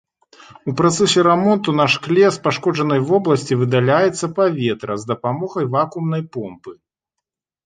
У працэсе рамонту на шкле з пашкоджанай вобласці выдаляецца паветра з дапамогай вакуумнай помпы.